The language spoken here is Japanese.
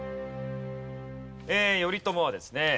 頼朝はですね